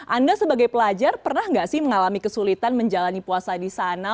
anda sebagai pelajar pernah nggak sih mengalami kesulitan menjalani puasa di sana